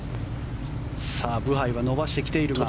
ブハイは伸ばしてきているが。